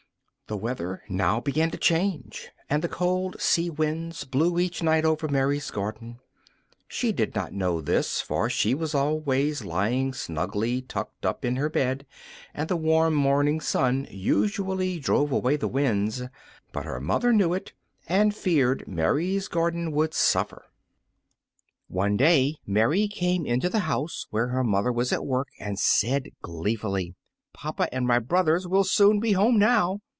The weather now began to change, and the cold sea winds blew each night over Mary's garden. She did not know this, for she was always lying snugly tucked up in her bed, and the warm morning sun usually drove away the winds; but her mother knew it, and feared Mary's garden would suffer. One day Mary came into the house where her mother was at work and said, gleefully, "Papa and my brothers will soon be home now."